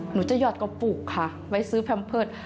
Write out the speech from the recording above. หนูจะหอดกระปุกค่ะไว้ซื้อแพมเพิร์ต